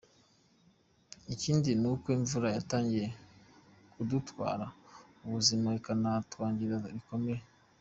Ikindi ni uko imvura yatangiye kudutwara ubuzima, ikanatwangiriza bikomeye.